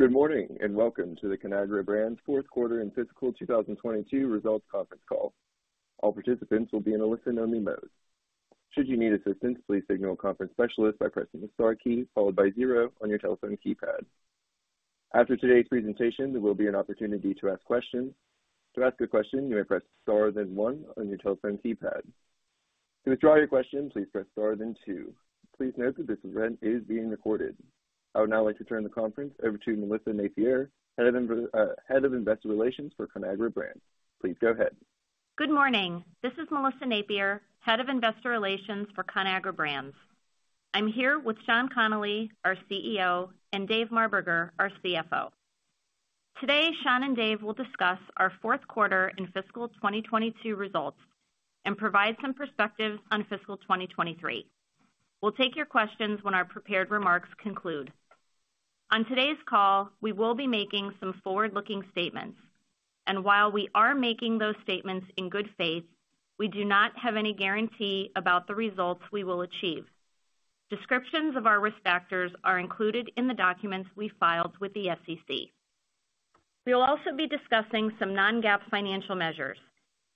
Good morning, and welcome to the Conagra Brands fourth quarter and fiscal 2022 results conference call. All participants will be in a listen only mode. Should you need assistance, please signal a conference specialist by pressing the star key followed by zero on your telephone keypad. After today's presentation, there will be an opportunity to ask questions. To ask a question, you may press star then one on your telephone keypad. To withdraw your question, please press star then two. Please note that this event is being recorded. I would now like to turn the conference over to Melissa Napier, Head of Investor Relations for Conagra Brands. Please go ahead. Good morning. This is Melissa Napier, Head of Investor Relations for Conagra Brands. I'm here with Sean Connolly, our CEO, and Dave Marberger, our CFO. Today, Sean and Dave will discuss our fourth quarter and fiscal 2022 results and provide some perspective on fiscal 2023. We'll take your questions when our prepared remarks conclude. On today's call, we will be making some forward-looking statements, and while we are making those statements in good faith, we do not have any guarantee about the results we will achieve. Descriptions of our risk factors are included in the documents we filed with the SEC. We will also be discussing some non-GAAP financial measures.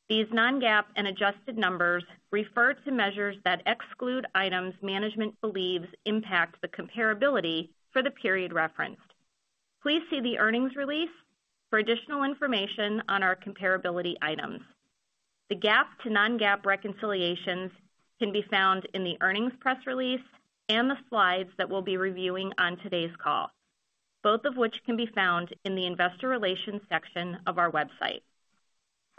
These non-GAAP and adjusted numbers refer to measures that exclude items management believes impact the comparability for the period referenced. Please see the earnings release for additional information on our comparability items. The GAAP to non-GAAP reconciliations can be found in the earnings press release and the slides that we'll be reviewing on today's call, both of which can be found in the investor relations section of our website.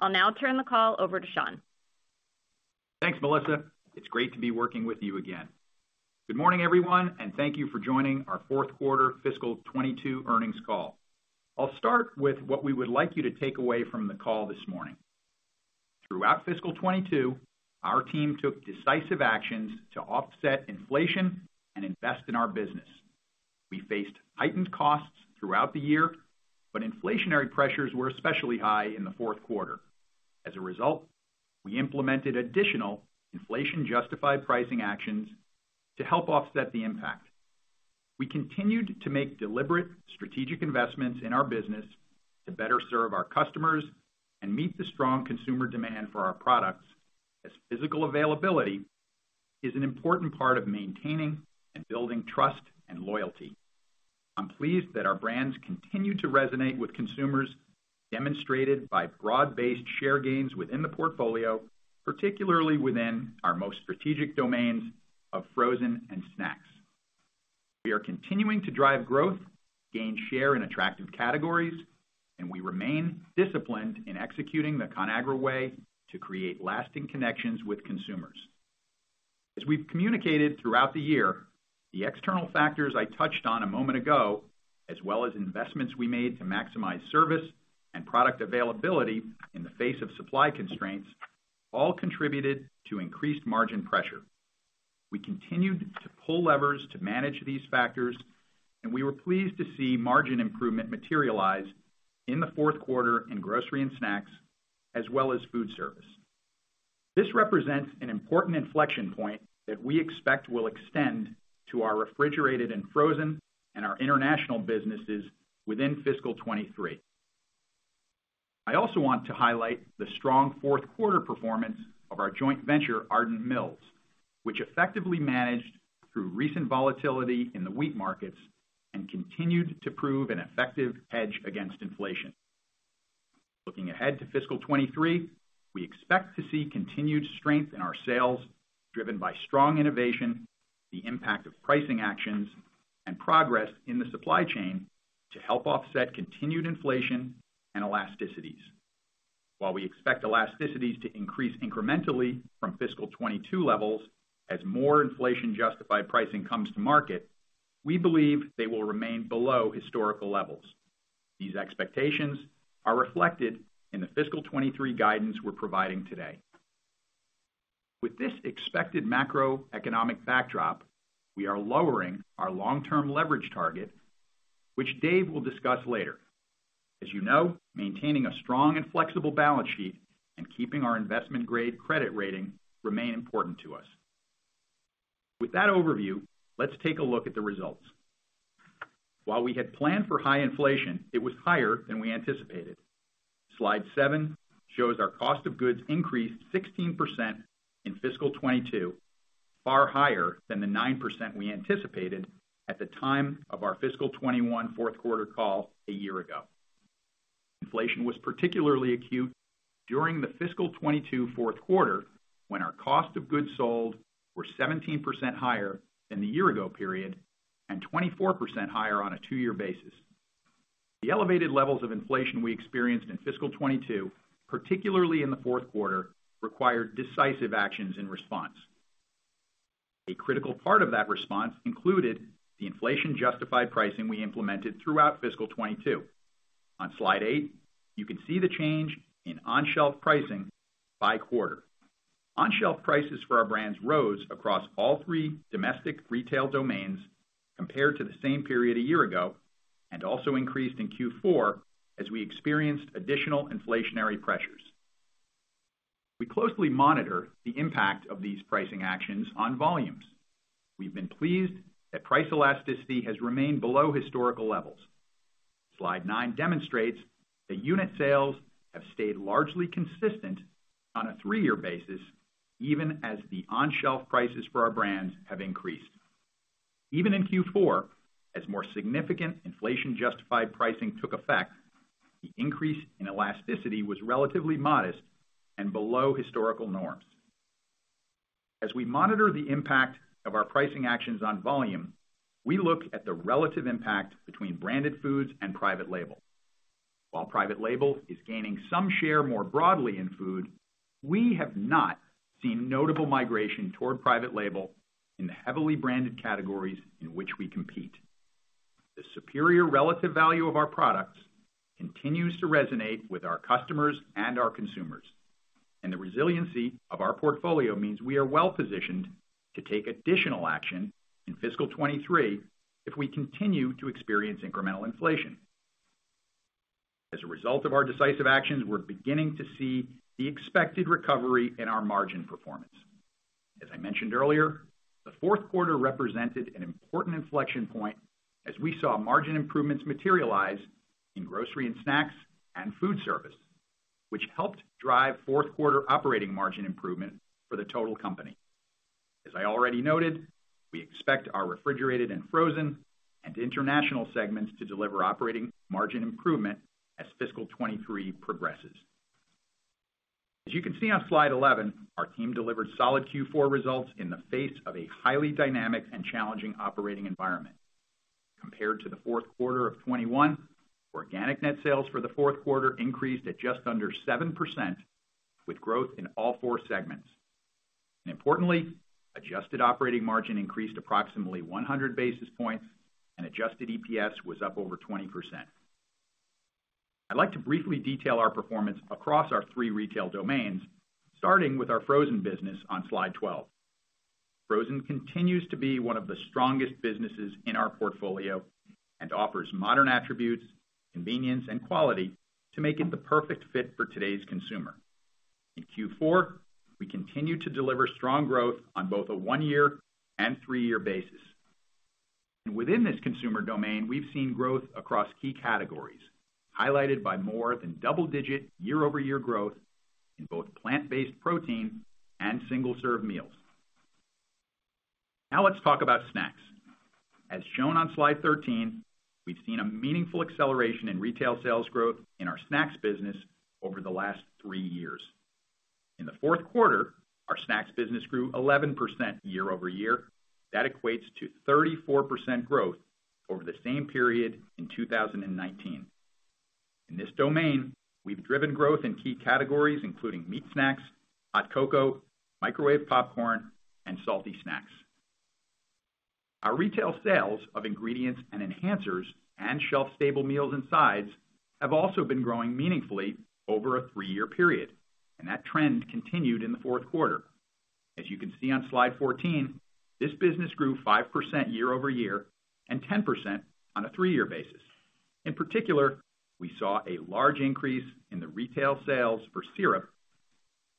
I'll now turn the call over to Sean. Thanks, Melissa. It's great to be working with you again. Good morning, everyone, and thank you for joining our fourth quarter fiscal 2022 earnings call. I'll start with what we would like you to take away from the call this morning. Throughout fiscal 2022, our team took decisive actions to offset inflation and invest in our business. We faced heightened costs throughout the year, but inflationary pressures were especially high in the fourth quarter. As a result, we implemented additional inflation-justified pricing actions to help offset the impact. We continued to make deliberate strategic investments in our business to better serve our customers and meet the strong consumer demand for our products, as physical availability is an important part of maintaining and building trust and loyalty. I'm pleased that our brands continue to resonate with consumers, demonstrated by broad-based share gains within the portfolio, particularly within our most strategic domains of frozen and snacks. We are continuing to drive growth, gain share in attractive categories, and we remain disciplined in executing the Conagra Way to create lasting connections with consumers. As we've communicated throughout the year, the external factors I touched on a moment ago, as well as investments we made to maximize service and product availability in the face of supply constraints, all contributed to increased margin pressure. We continued to pull levers to manage these factors, and we were pleased to see margin improvement materialize in the fourth quarter in grocery and snacks as well as food service. This represents an important inflection point that we expect will extend to our refrigerated and frozen and our international businesses within fiscal 2023. I also want to highlight the strong fourth quarter performance of our joint venture, Ardent Mills, which effectively managed through recent volatility in the wheat markets and continued to prove an effective hedge against inflation. Looking ahead to fiscal 2023, we expect to see continued strength in our sales, driven by strong innovation, the impact of pricing actions, and progress in the supply chain to help offset continued inflation and elasticities. While we expect elasticities to increase incrementally from fiscal 2022 levels as more inflation justified pricing comes to market, we believe they will remain below historical levels. These expectations are reflected in the fiscal 2023 guidance we're providing today. With this expected macroeconomic backdrop, we are lowering our long-term leverage target, which Dave will discuss later. As you know, maintaining a strong and flexible balance sheet and keeping our investment-grade credit rating remain important to us. With that overview, let's take a look at the results. While we had planned for high inflation, it was higher than we anticipated. Slide seven shows our cost of goods increased 16% in fiscal 2022, far higher than the 9% we anticipated at the time of our fiscal 2021 fourth quarter call a year ago. Inflation was particularly acute during the fiscal 2022 fourth quarter, when our cost of goods sold were 17% higher than the year ago period and 24% higher on a 2-year basis. The elevated levels of inflation we experienced in fiscal 2022, particularly in the fourth quarter, required decisive actions in response. A critical part of that response included the inflation justified pricing we implemented throughout fiscal 2022. On Slide eight, you can see the change in on-shelf pricing by quarter. On-shelf prices for our brands rose across all three domestic retail domains compared to the same period a year ago, and also increased in Q4 as we experienced additional inflationary pressures. We closely monitor the impact of these pricing actions on volumes. We've been pleased that price elasticity has remained below historical levels. Slide nine demonstrates that unit sales have stayed largely consistent on a 3-year basis, even as the on-shelf prices for our brands have increased. Even in Q4, as more significant inflation justified pricing took effect, the increase in elasticity was relatively modest and below historical norms. As we monitor the impact of our pricing actions on volume, we look at the relative impact between branded foods and private label. While private label is gaining some share more broadly in food, we have not seen notable migration toward private label in the heavily branded categories in which we compete. The superior relative value of our products continues to resonate with our customers and our consumers, and the resiliency of our portfolio means we are well-positioned to take additional action in fiscal 2023 if we continue to experience incremental inflation. As a result of our decisive actions, we're beginning to see the expected recovery in our margin performance. As I mentioned earlier, the fourth quarter represented an important inflection point as we saw margin improvements materialize in grocery and snacks and food service, which helped drive fourth-quarter operating margin improvement for the total company. As I already noted, we expect our refrigerated and frozen and international segments to deliver operating margin improvement as fiscal 2023 progresses. As you can see on slide 11, our team delivered solid Q4 results in the face of a highly dynamic and challenging operating environment. Compared to the fourth quarter of 2021, organic net sales for the fourth quarter increased at just under 7%, with growth in all four segments. Importantly, adjusted operating margin increased approximately 100 basis points and adjusted EPS was up over 20%. I'd like to briefly detail our performance across our three retail domains, starting with our frozen business on slide 12. Frozen continues to be one of the strongest businesses in our portfolio and offers modern attributes, convenience, and quality to make it the perfect fit for today's consumer. In Q4, we continued to deliver strong growth on both a 1-year and 3-year basis. Within this consumer domain, we've seen growth across key categories, highlighted by more than double-digit year-over-year growth in both plant-based protein and single-serve meals. Now let's talk about snacks. As shown on slide 13, we've seen a meaningful acceleration in retail sales growth in our snacks business over the last three years. In the fourth quarter, our snacks business grew 11% year over year. That equates to 34% growth over the same period in 2019. In this domain, we've driven growth in key categories including meat snacks, hot cocoa, microwave popcorn, and salty snacks. Our retail sales of ingredients and enhancers and shelf-stable meals and sides have also been growing meaningfully over `a 3-year period, and that trend continued in the fourth quarter. As you can see on slide 14, this business grew 5% year-over-year and 10% on a 3-year basis. In particular, we saw a large increase in the retail sales for syrup,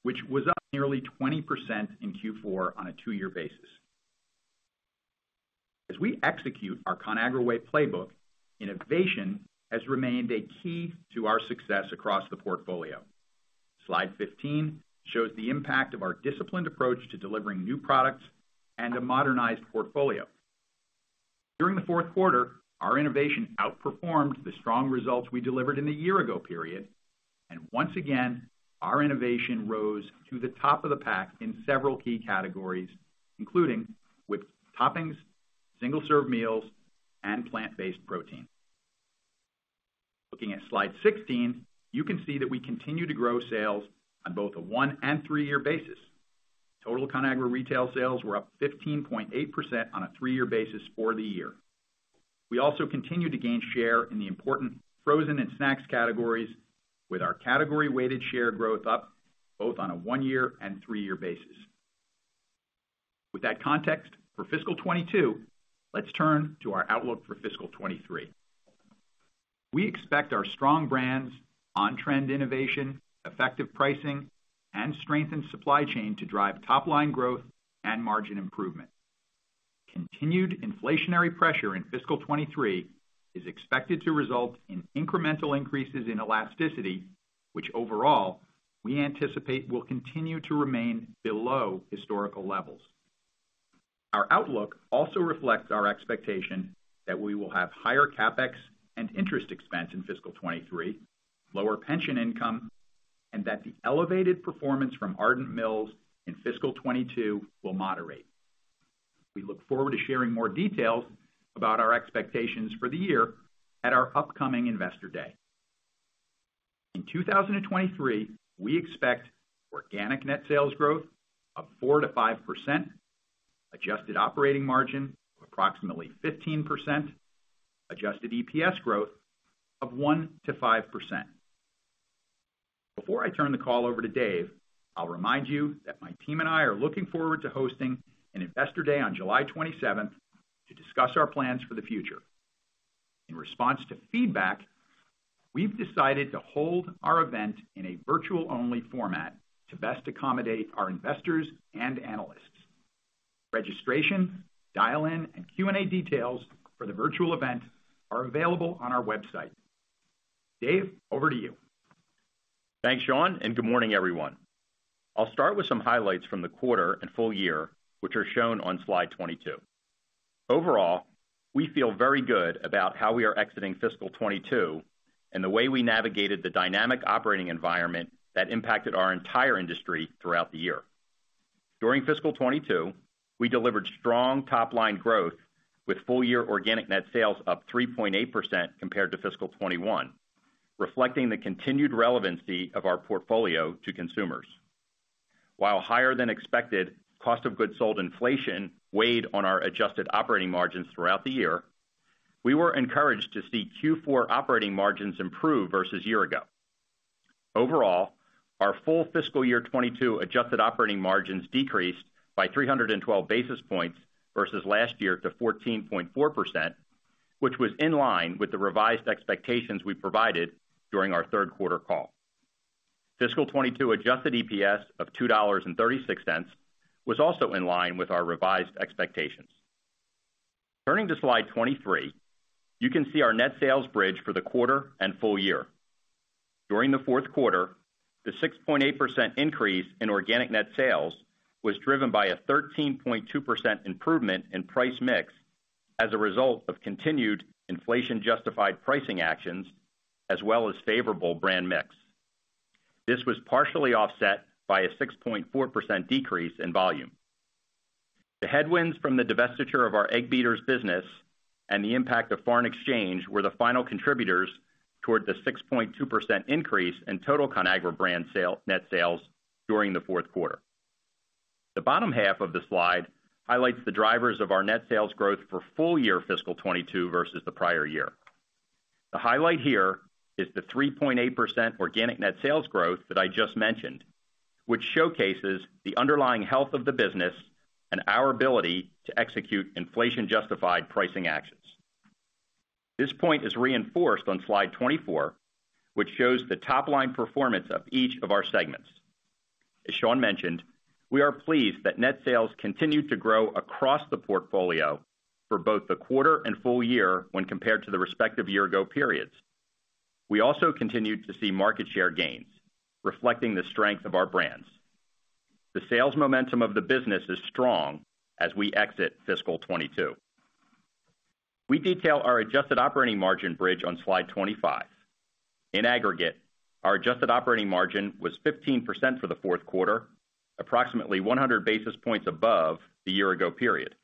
which was up nearly 20% in Q4 on a 2-year basis. As we execute our Conagra Way playbook, innovation has remained a key to our success across the portfolio. Slide 15 shows the impact of our disciplined approach to delivering new products and a modernized portfolio. During the fourth quarter, our innovation outperformed the strong results we delivered in the year ago period. Once again, our innovation rose to the top of the pack in several key categories, including whipped toppings, single-serve meals, and plant-based protein. Looking at slide 16, you can see that we continue to grow sales on both a 1- and 3-year basis. Total Conagra retail sales were up 15.8% on a 3-year basis for the year. We also continued to gain share in the important frozen and snacks categories with our category weighted share growth up both on a 1-year and 3-year basis. With that context for fiscal 2022, let's turn to our outlook for fiscal 2023. We expect our strong brands on trend innovation, effective pricing, and strengthened supply chain to drive top line growth and margin improvement. Continued inflationary pressure in fiscal 2023 is expected to result in incremental increases in elasticity, which overall we anticipate will continue to remain below historical levels. Our outlook also reflects our expectation that we will have higher CapEx and interest expense in fiscal 2023, lower pension income, and that the elevated performance from Ardent Mills in fiscal 2022 will moderate. We look forward to sharing more details about our expectations for the year at our upcoming Investor Day. In 2023, we expect organic net sales growth of 4%-5%, adjusted operating margin approximately 15%, adjusted EPS growth of 1%-5%. Before I turn the call over to Dave, I'll remind you that my team and I are looking forward to hosting an Investor Day on July 27th to discuss our plans for the future. In response to feedback, we've decided to hold our event in a virtual-only format to best accommodate our investors and analysts. Registration, dial-in, and Q and A details for the virtual event are available on our website. Dave, over to you. Thanks, Sean, and good morning, everyone. I'll start with some highlights from the quarter and full year, which are shown on slide 22. Overall, we feel very good about how we are exiting fiscal 2022 and the way we navigated the dynamic operating environment that impacted our entire industry throughout the year. During fiscal 2022, we delivered strong top-line growth with full-year organic net sales up 3.8% compared to fiscal 2021, reflecting the continued relevancy of our portfolio to consumers. While higher than expected cost of goods sold inflation weighed on our adjusted operating margins throughout the year, we were encouraged to see Q4 operating margins improve versus year-ago. Overall, our full fiscal year 2022 adjusted operating margins decreased by 312 basis points versus last year to 14.4%, which was in line with the revised expectations we provided during our third quarter call. Fiscal 2022 adjusted EPS of $2.36 was also in line with our revised expectations. Turning to slide 23, you can see our net sales bridge for the quarter and full year. During the fourth quarter, the 6.8% increase in organic net sales was driven by a 13.2% improvement in price mix as a result of continued inflation-justified pricing actions as well as favorable brand mix. This was partially offset by a 6.4% decrease in volume. The headwinds from the divestiture of our Egg Beaters business and the impact of foreign exchange were the final contributors toward the 6.2% increase in total Conagra Brands net sales during the fourth quarter. The bottom half of the slide highlights the drivers of our net sales growth for full-year fiscal 2022 versus the prior year. The highlight here is the 3.8% organic net sales growth that I just mentioned, which showcases the underlying health of the business and our ability to execute inflation-justified pricing actions. This point is reinforced on slide 24, which shows the top-line performance of each of our segments. As Sean mentioned, we are pleased that net sales continued to grow across the portfolio for both the quarter and full year when compared to the respective year ago periods. We also continued to see market share gains reflecting the strength of our brands. The sales momentum of the business is strong as we exit fiscal 2022. We detail our adjusted operating margin bridge on slide 25. In aggregate, our adjusted operating margin was 15% for the fourth quarter, approximately 100 basis points above the year ago period.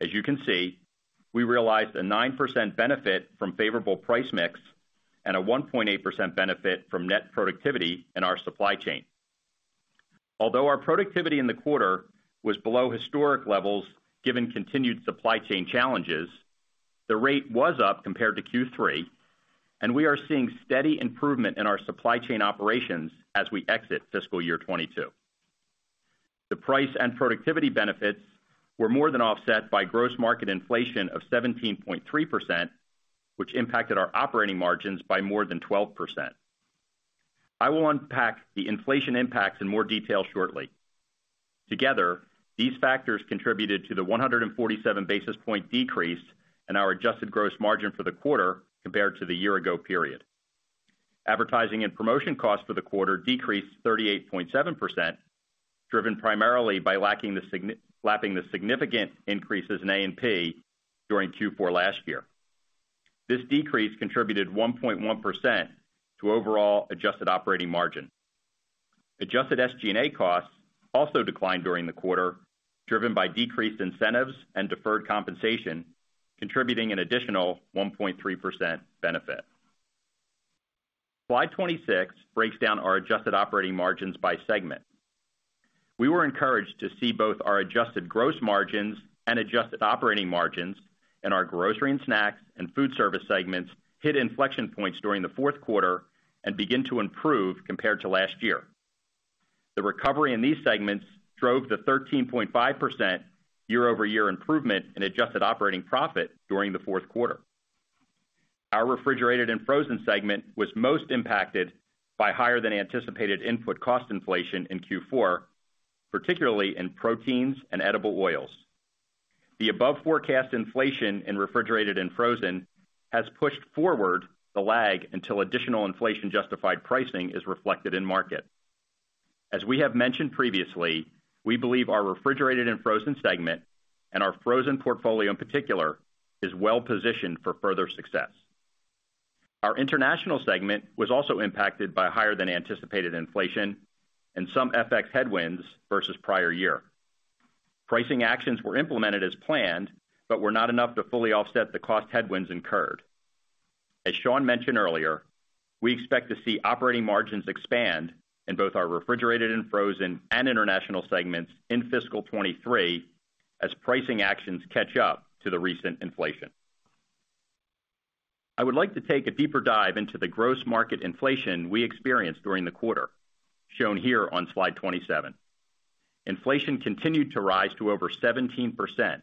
As you can see, we realized a 9% benefit from favorable price mix and a 1.8% benefit from net productivity in our supply chain. Although our productivity in the quarter was below historic levels, given continued supply chain challenges, the rate was up compared to Q3, and we are seeing steady improvement in our supply chain operations as we exit fiscal year 2022. The price and productivity benefits were more than offset by gross market inflation of 17.3%, which impacted our operating margins by more than 12%. I will unpack the inflation impacts in more detail shortly. Together, these factors contributed to the 147 basis point decrease in our adjusted gross margin for the quarter compared to the year ago period. Advertising and promotion costs for the quarter decreased 38.7%, driven primarily by lapping the significant increases in A&P during Q4 last year. This decrease contributed 1.1% to overall adjusted operating margin. Adjusted SG&A costs also declined during the quarter, driven by decreased incentives and deferred compensation, contributing an additional 1.3% benefit. Slide 26 breaks down our adjusted operating margins by segment. We were encouraged to see both our adjusted gross margins and adjusted operating margins in our grocery and snacks and food service segments hit inflection points during the fourth quarter and begin to improve compared to last year. The recovery in these segments drove the 13.5% year-over-year improvement in adjusted operating profit during the fourth quarter. Our refrigerated and frozen segment was most impacted by higher than anticipated input cost inflation in Q4, particularly in proteins and edible oils. The above forecast inflation in refrigerated and frozen has pushed forward the lag until additional inflation justified pricing is reflected in market. As we have mentioned previously, we believe our refrigerated and frozen segment and our frozen portfolio in particular, is well positioned for further success. Our international segment was also impacted by higher than anticipated inflation and some FX headwinds versus prior year. Pricing actions were implemented as planned, but were not enough to fully offset the cost headwinds incurred. As Sean mentioned earlier, we expect to see operating margins expand in both our refrigerated and frozen and international segments in fiscal 2023 as pricing actions catch up to the recent inflation. I would like to take a deeper dive into the gross market inflation we experienced during the quarter, shown here on slide 27. Inflation continued to rise to over 17%,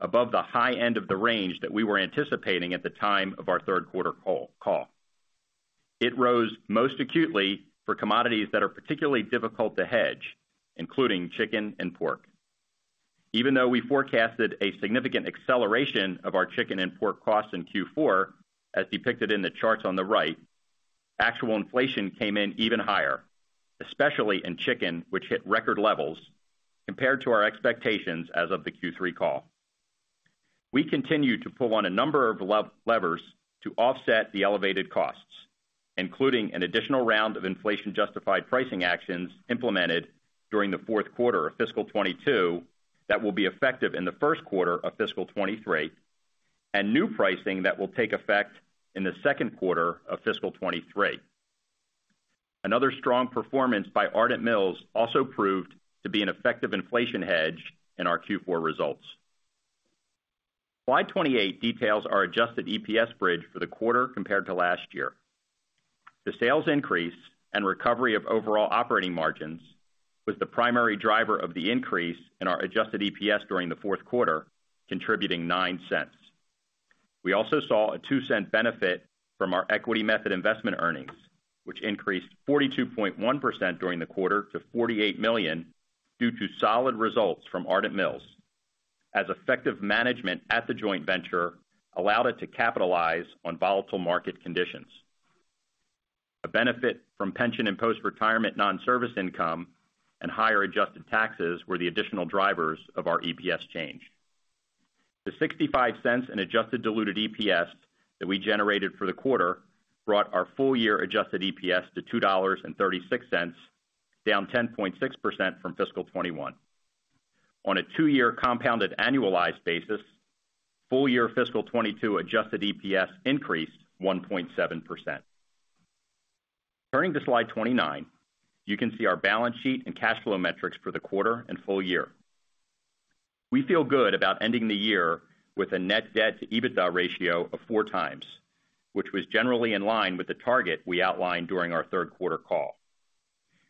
above the high end of the range that we were anticipating at the time of our third quarter call. It rose most acutely for commodities that are particularly difficult to hedge, including chicken and pork. Even though we forecasted a significant acceleration of our chicken and pork costs in Q4, as depicted in the charts on the right, actual inflation came in even higher, especially in chicken, which hit record levels compared to our expectations as of the Q3 call. We continue to pull on a number of levers to offset the elevated costs, including an additional round of inflation-justified pricing actions implemented during the fourth quarter of fiscal 2022 that will be effective in the first quarter of fiscal 2023, and new pricing that will take effect in the second quarter of fiscal 2023. Another strong performance by Ardent Mills also proved to be an effective inflation hedge in our Q4 results. Slide 28 details our adjusted EPS bridge for the quarter compared to last year. The sales increase and recovery of overall operating margins was the primary driver of the increase in our adjusted EPS during the fourth quarter, contributing $0.09. We also saw a $0.02 benefit from our equity method investment earnings, which increased 42.1% during the quarter to $48 million due to solid results from Ardent Mills, as effective management at the joint venture allowed it to capitalize on volatile market conditions. A benefit from pension and post-retirement non-service income and higher adjusted taxes were the additional drivers of our EPS change. The $0.65 in adjusted diluted EPS that we generated for the quarter brought our full year adjusted EPS to $2.36, down 10.6% from fiscal 2021. On a two-year compounded annualized basis, full year fiscal 2022 adjusted EPS increased 1.7%. Turning to slide 29, you can see our balance sheet and cash flow metrics for the quarter and full year. We feel good about ending the year with a net debt to EBITDA ratio of 4x, which was generally in line with the target we outlined during our third quarter call.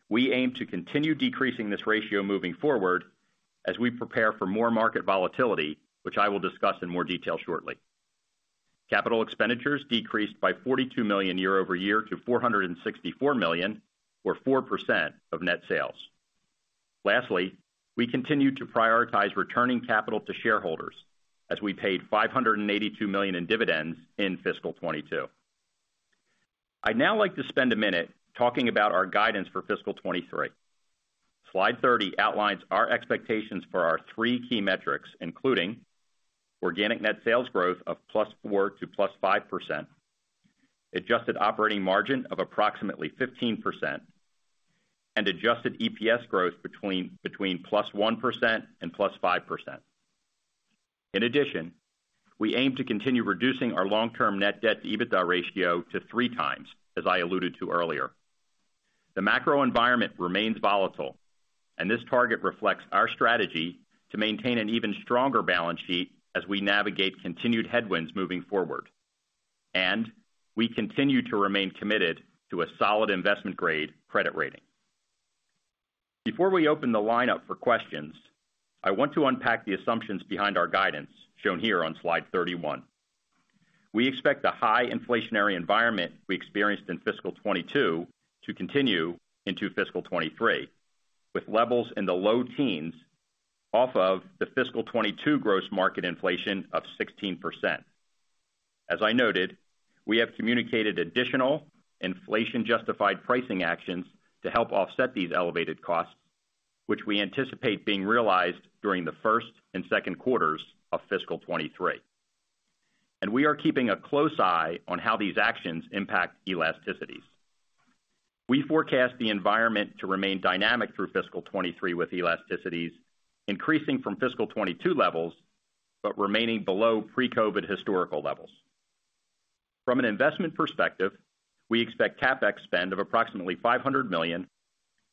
We aim to continue decreasing this ratio moving forward as we prepare for more market volatility, which I will discuss in more detail shortly. Capital expenditures decreased by $42 million year-over-year to $464 million, or 4% of net sales. Lastly, we continue to prioritize returning capital to shareholders as we paid $582 million in dividends in fiscal 2022. I'd now like to spend a minute talking about our guidance for fiscal 2023. Slide 30 outlines our expectations for our three key metrics, including organic net sales growth of +4% to +5%, adjusted operating margin of approximately 15%, and adjusted EPS growth between +1% and +5%. In addition, we aim to continue reducing our long-term net debt to EBITDA ratio to 3x, as I alluded to earlier. The macro environment remains volatile, and this target reflects our strategy to maintain an even stronger balance sheet as we navigate continued headwinds moving forward. We continue to remain committed to a solid investment-grade credit rating. Before we open the lineup for questions, I want to unpack the assumptions behind our guidance shown here on slide 31. We expect the high inflationary environment we experienced in fiscal 2022 to continue into fiscal 2023, with levels in the low teens off of the fiscal 2022 gross market inflation of 16%. As I noted, we have communicated additional inflation-justified pricing actions to help offset these elevated costs, which we anticipate being realized during the first and second quarters of fiscal 2023. We are keeping a close eye on how these actions impact elasticities. We forecast the environment to remain dynamic through fiscal 2023, with elasticities increasing from fiscal 2022 levels, but remaining below pre-COVID historical levels. From an investment perspective, we expect CapEx spend of approximately $500 million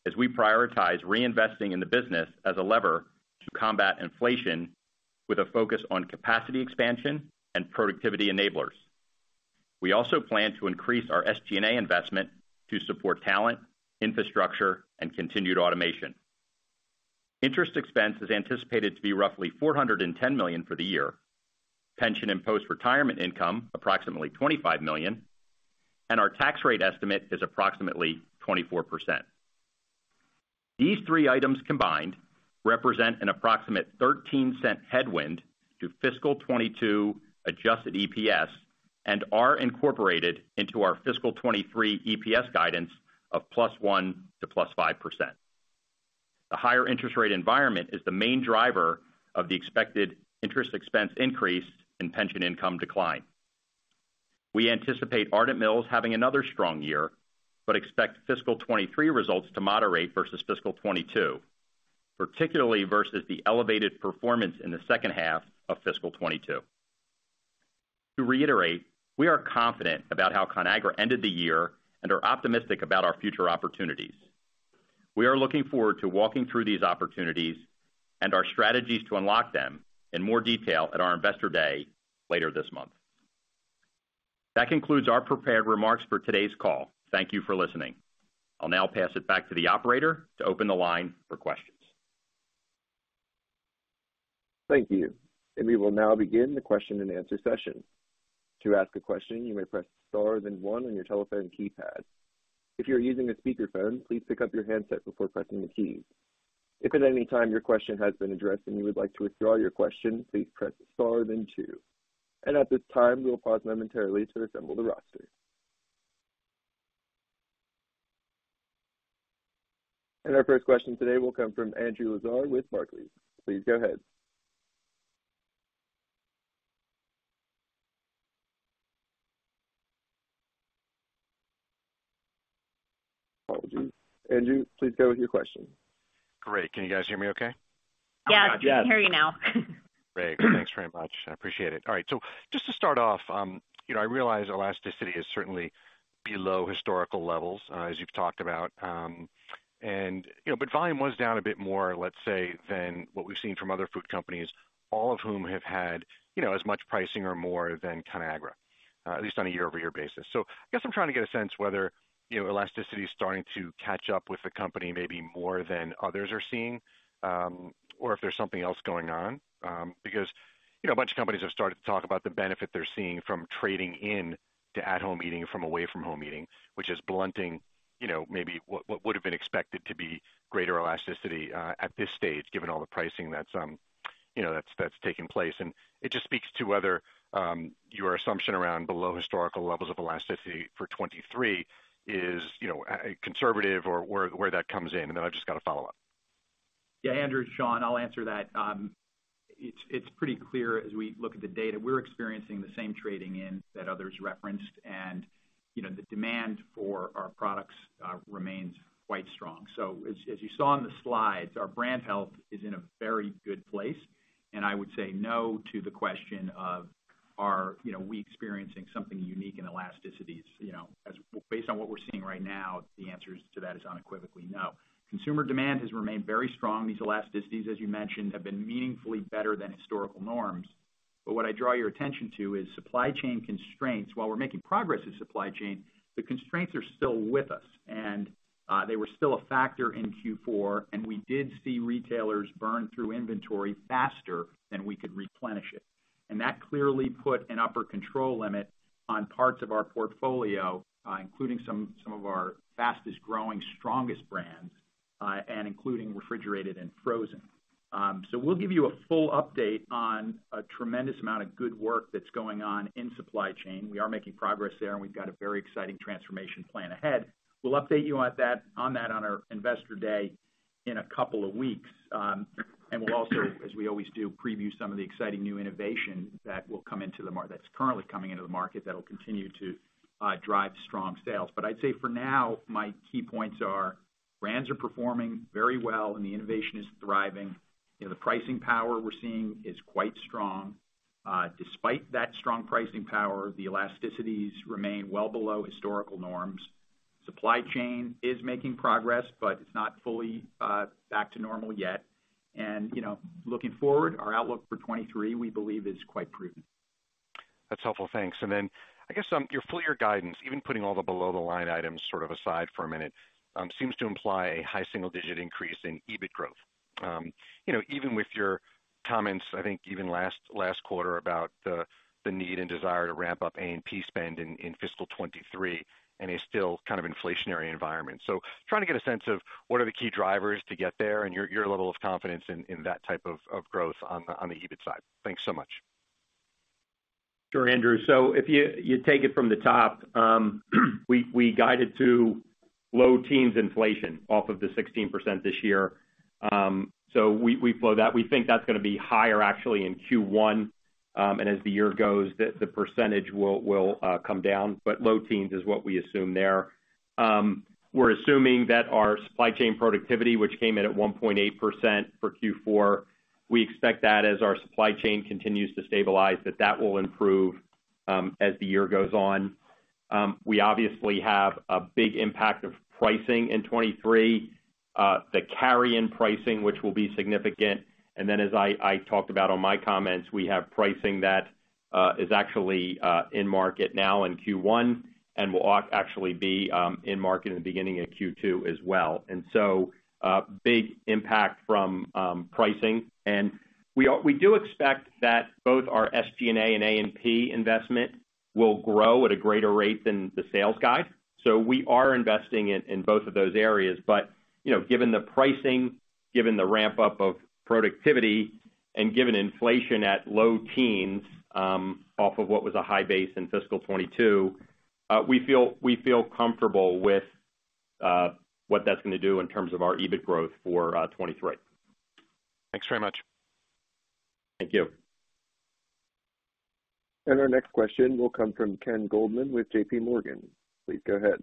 as we prioritize reinvesting in the business as a lever to combat inflation with a focus on capacity expansion and productivity enablers. We also plan to increase our SG&A investment to support talent, infrastructure, and continued automation. Interest expense is anticipated to be roughly $410 million for the year. Pension and post-retirement income approximately $25 million, and our tax rate estimate is approximately 24%. These three items combined represent an approximate $0.13 headwind to fiscal 2022 adjusted EPS and are incorporated into our fiscal 2023 EPS guidance of +1% to +5%. The higher interest rate environment is the main driver of the expected interest expense increase and pension income decline. We anticipate Ardent Mills having another strong year, but expect fiscal 2023 results to moderate versus fiscal 2022, particularly versus the elevated performance in the second half of fiscal 2022. To reiterate, we are confident about how Conagra ended the year and are optimistic about our future opportunities. We are looking forward to walking through these opportunities and our strategies to unlock them in more detail at our Investor Day later this month. That concludes our prepared remarks for today's call. Thank you for listening. I'll now pass it back to the operator to open the line for questions. Thank you. We will now begin the question and answer session. To ask a question, you may press star then one on your telephone keypad. If you're using a speakerphone, please pick up your handset before pressing the key. If at any time your question has been addressed and you would like to withdraw your question, please press star then two. At this time, we will pause momentarily to assemble the roster. Our first question today will come from Andrew Lazar with Barclays. Please go ahead. Apologies. Andrew, please go with your question. Great. Can you guys hear me okay? Yes. Yes. Great. Thanks very much. I appreciate it. All right, just to start off, you know, I realize elasticity is certainly below historical levels, as you've talked about. You know, volume was down a bit more, let's say, than what we've seen from other food companies, all of whom have had, you know, as much pricing or more than Conagra, at least on a year-over-year basis. I guess I'm trying to get a sense whether, you know, elasticity is starting to catch up with the company maybe more than others are seeing, or if there's something else going on. Because, you know, a bunch of companies have started to talk about the benefit they're seeing from trading into at-home eating from away-from-home eating, which is blunting, you know, maybe what would have been expected to be greater elasticity at this stage, given all the pricing that's taking place. It just speaks to whether your assumption around below historical levels of elasticity for 2023 is, you know, conservative or where that comes in. I've just got a follow up. Yeah, Andrew, it's Sean. I'll answer that. It's pretty clear as we look at the data, we're experiencing the same trading in that others referenced. You know, the demand for our products remains quite strong. As you saw in the slides, our brand health is in a very good place. I would say no to the question of, are, you know, we experiencing something unique in elasticities, you know, as based on what we're seeing right now, the answer to that is unequivocally no. Consumer demand has remained very strong. These elasticities, as you mentioned, have been meaningfully better than historical norms. What I draw your attention to is supply chain constraints. While we're making progress with supply chain, the constraints are still with us. They were still a factor in Q4, and we did see retailers burn through inventory faster than we could replenish it. That clearly put an upper control limit on parts of our portfolio, including some of our fastest growing, strongest brands, and including refrigerated and frozen. We'll give you a full update on a tremendous amount of good work that's going on in supply chain. We are making progress there, and we've got a very exciting transformation plan ahead. We'll update you on that on our investor day in a couple of weeks. We'll also, as we always do, preview some of the exciting new innovation that's currently coming into the market that will continue to drive strong sales. I'd say for now, my key points are brands are performing very well and the innovation is thriving. You know, the pricing power we're seeing is quite strong. Despite that strong pricing power, the elasticities remain well below historical norms. Supply chain is making progress, but it's not fully back to normal yet. You know, looking forward, our outlook for 2023, we believe is quite prudent. That's helpful, thanks. Then I guess your full year guidance, even putting all the below the line items sort of aside for a minute, seems to imply a high single digit increase in EBIT growth. You know, even with your comments, I think even last quarter about the need and desire to ramp up A&P spend in fiscal 2023 and a still kind of inflationary environment. Trying to get a sense of what are the key drivers to get there and your level of confidence in that type of growth on the EBIT side. Thanks so much. Sure, Andrew. If you take it from the top, we guided to low teens inflation off of the 16% this year. We flow that. We think that's gonna be higher actually in Q1, and as the year goes, that the percentage will come down. Low teens is what we assume there. We're assuming that our supply chain productivity, which came in at 1.8% for Q4, we expect that as our supply chain continues to stabilize, that will improve as the year goes on. We obviously have a big impact of pricing in 2023, the carry in pricing, which will be significant. Then as I talked about in my comments, we have pricing that is actually in market now in Q1 and will actually be in market in the beginning of Q2 as well. Big impact from pricing. We do expect that both our SG&A and A&P investment will grow at a greater rate than the sales guide. We are investing in both of those areas. You know, given the pricing, given the ramp up of productivity and given inflation at low teens, off of what was a high base in fiscal 2022, we feel comfortable with what that's gonna do in terms of our EBIT growth for 2023. Thanks very much. Thank you. Our next question will come from Ken Goldman with JP Morgan. Please go ahead.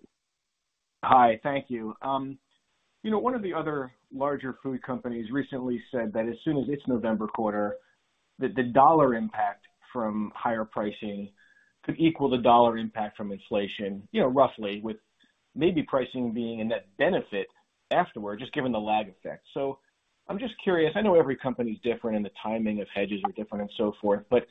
Hi. Thank you. You know, one of the other larger food companies recently said that as soon as it's November quarter, the dollar impact from higher pricing could equal the dollar impact from inflation, you know, roughly with maybe pricing being a net benefit afterward, just given the lag effect. I'm just curious, I know every company is different and the timing of hedges are different and so forth, but,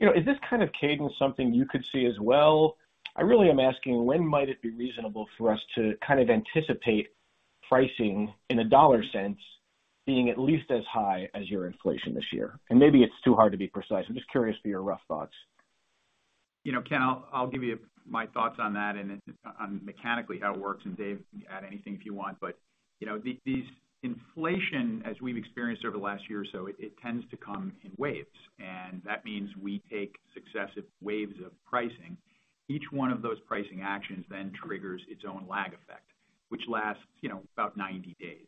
you know, is this kind of cadence something you could see as well? I really am asking when might it be reasonable for us to kind of anticipate pricing in a dollar sense being at least as high as your inflation this year? Maybe it's too hard to be precise. I'm just curious for your rough thoughts. You know, Ken, I'll give you my thoughts on that and on mechanically how it works, and Dave, you can add anything if you want. You know, this inflation as we've experienced over the last year or so, it tends to come in waves, and that means we take successive waves of pricing. Each one of those pricing actions then triggers its own lag effect, which lasts, you know, about 90 days.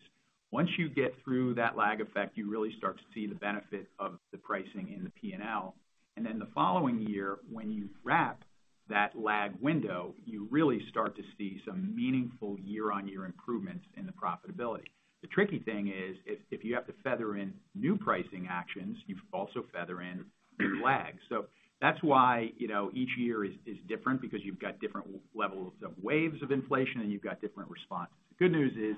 Once you get through that lag effect, you really start to see the benefit of the pricing in the P&L. Then the following year, when you wrap that lag window, you really start to see some meaningful year-on-year improvements in the profitability. The tricky thing is if you have to feather in new pricing actions, you also feather in new lags. That's why, you know, each year is different because you've got different levels of waves of inflation, and you've got different responses. The good news is,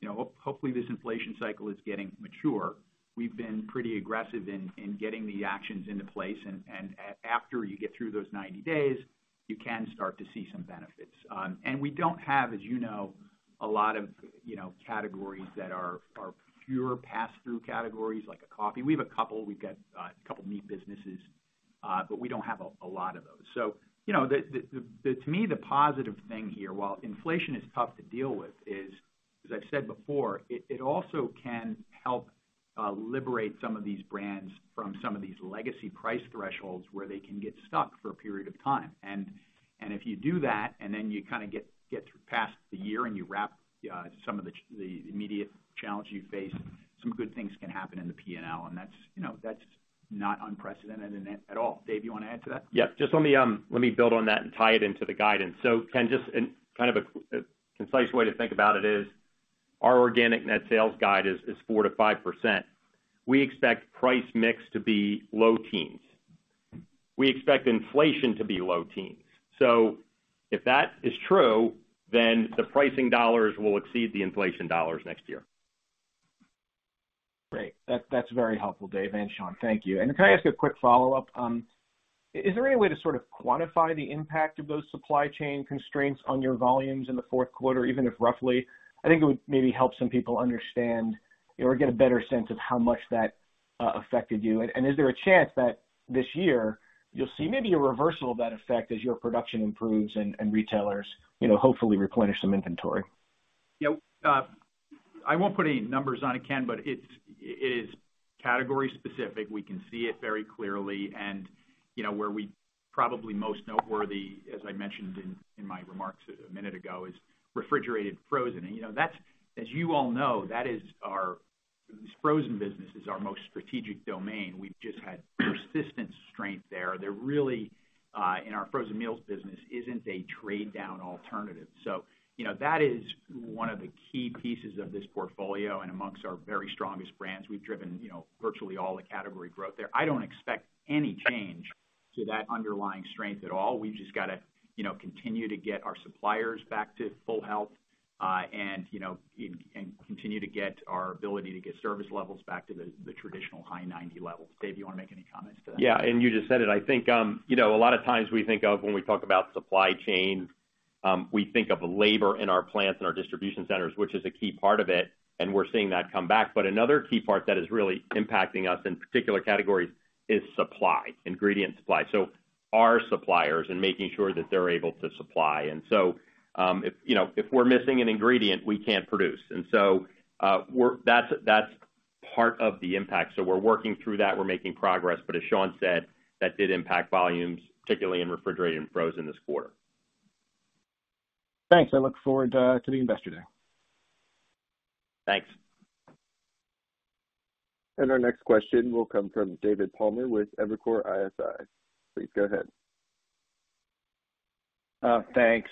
you know, hopefully this inflation cycle is getting mature. We've been pretty aggressive in getting the actions into place, and after you get through those 90 days, you can start to see some benefits. We don't have, as you know, a lot of, you know, categories that are pure pass-through categories like a coffee. We have a couple, we've got a couple meat businesses, but we don't have a lot of those. You know, to me, the positive thing here, while inflation is tough to deal with, is, as I've said before, it also can help liberate some of these brands from some of these legacy price thresholds where they can get stuck for a period of time. If you do that, and then you kinda get past the year and you wrap some of the immediate challenges you face, some good things can happen in the P&L, and that's, you know, that's not unprecedented in it at all. Dave, you wanna add to that? Yeah, just let me build on that and tie it into the guidance. Ken, just in kind of a concise way to think about it is our organic net sales guide is 4%-5%. We expect price mix to be low teens. We expect inflation to be low teens. If that is true, then the pricing dollars will exceed the inflation dollars next year. Great. That's very helpful, Dave and Sean, thank you. Can I ask a quick follow-up? Is there any way to sort of quantify the impact of those supply chain constraints on your volumes in the fourth quarter, even if roughly? I think it would maybe help some people understand or get a better sense of how much that affected you. Is there a chance that this year you'll see maybe a reversal of that effect as your production improves and retailers, you know, hopefully replenish some inventory? Yeah, I won't put any numbers on it, Ken, but it is category specific. We can see it very clearly. You know, where it's probably most noteworthy, as I mentioned in my remarks a minute ago, is refrigerated frozen. You know, that's, as you all know, this frozen business is our most strategic domain. We've just had persistent strength there. There really, in our frozen meals business, isn't a trade-down alternative. You know, that is one of the key pieces of this portfolio and among our very strongest brands. We've driven, you know, virtually all the category growth there. I don't expect any change to that underlying strength at all. We've just gotta, you know, continue to get our suppliers back to full health, and, you know, continue to get our ability to get service levels back to the traditional high 90 level. Dave, you wanna make any comments to that? Yeah. You just said it. I think, you know, a lot of times we think of when we talk about supply chain, we think of labor in our plants and our distribution centers, which is a key part of it, and we're seeing that come back. Another key part that is really impacting us in particular categories is supply, ingredient supply, so our suppliers and making sure that they're able to supply. If, you know, if we're missing an ingredient, we can't produce. That's part of the impact. We're working through that. We're making progress. As Sean said, that did impact volumes, particularly in refrigerated and frozen this quarter. Thanks. I look forward to the Investor Day. Thanks. Our next question will come from David Palmer with Evercore ISI. Please go ahead. Thanks.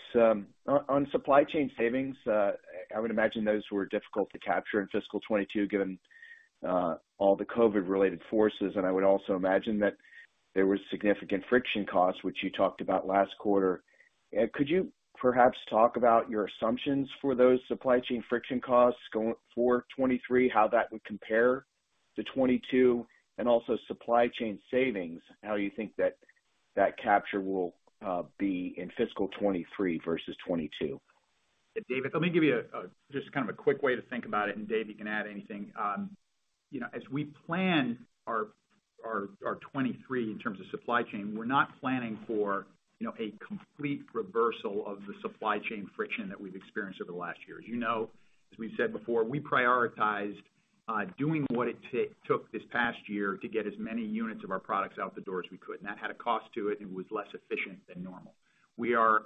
On supply chain savings, I would imagine those were difficult to capture in fiscal 2022, given all the COVID-related forces. I would also imagine that there was significant friction costs, which you talked about last quarter. Could you perhaps talk about your assumptions for those supply chain friction costs going for 2023, how that would compare to 2022? Also supply chain savings, how you think that capture will be in fiscal 2023 versus 2022. David, let me give you just kind of a quick way to think about it, and Dave, you can add anything. You know, as we plan our 2023 in terms of supply chain, we're not planning for, you know, a complete reversal of the supply chain friction that we've experienced over the last year. As you know, as we've said before, we prioritized doing what it took this past year to get as many units of our products out the door as we could. That had a cost to it and was less efficient than normal. We are